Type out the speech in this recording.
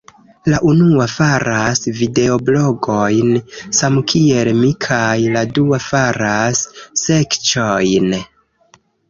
La unua faras videoblogojn samkiel mi kaj la dua faras sekĉojn